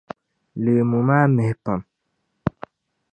Leemu maa mihi pam.